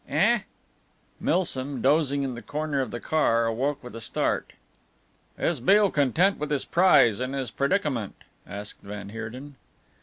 "Eh?" Milsom, dozing in the corner of the car, awoke with a start. "Is Beale content with his prize and his predicament?" asked van Heerden.